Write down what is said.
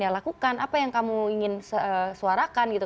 ya lakukan apa yang kamu ingin suarakan gitu